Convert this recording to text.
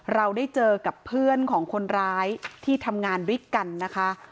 เราได้เจอกับเพื่อนของคนร้ายที่ทำงานด้วยกันนะคะ